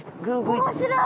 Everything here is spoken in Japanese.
面白い。